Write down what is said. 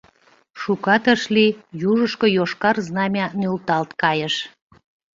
Шукат ыш лий, южышко йошкар знамя нӧлталт кайыш.